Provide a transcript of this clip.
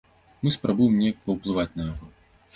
Мы спрабуем неяк паўплываць на яго.